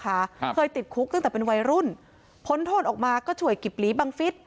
ครับเคยติดคุกตั้งแต่เป็นวัยรุ่นพ้นโทษออกมาก็ช่วยกิบหลีบังฟิศ